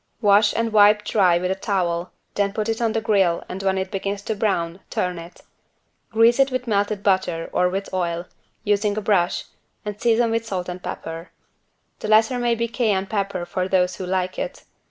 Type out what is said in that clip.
Wash and wipe dry with a towel, then put it on the grill and when it begins to brown turn it. Grease it with melted butter or with oil, using a brush, and season with salt and pepper. The later may be Cayenne pepper for those who like it.